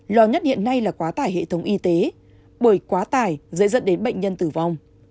lò nhất hiện nay là quá tải hệ thống y tế bởi quá tải dễ dẫn đến bệnh nhân tử vong